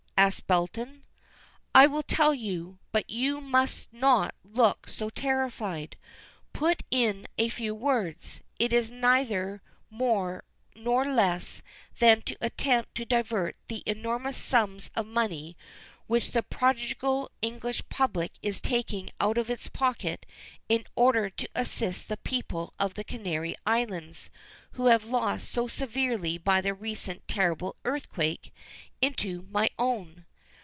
asked Belton. "I will tell you, but you must not look so terrified. Put in a few words, it is neither more nor less than to attempt to divert the enormous sums of money which the prodigal English public is taking out of its pocket in order to assist the people of the Canary Islands, who have lost so severely by the recent terrible earthquake, into my own."